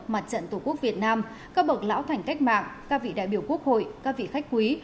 mặt trận tổ quốc việt nam các bậc lão thành cách mạng các vị đại biểu quốc hội các vị khách quý